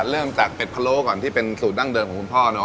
เริ่มจากเป็ดพะโล้ก่อนที่เป็นสูตรดั้งเดิมของคุณพ่อเนาะ